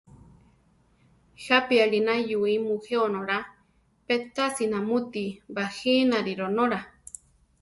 ¿Jápi alí nayúi mujé onóla, pe tasi namuti bajínari ronóla?